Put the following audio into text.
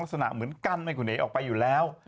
ลักษณะเหมือนกั้นให้คุณเอ๋ออกไปอยู่แล้ว